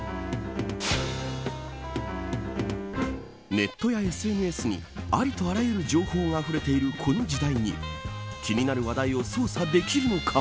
ネットやＳＮＳにありとあらゆる情報があふれているこの時代に気になる話題を捜査できるのか。